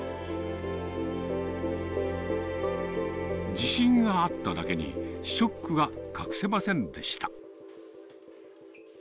自信があっただけに、ショックが隠せませんでした。